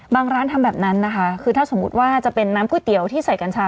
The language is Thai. ร้านทำแบบนั้นนะคะคือถ้าสมมุติว่าจะเป็นน้ำก๋วยเตี๋ยวที่ใส่กัญชา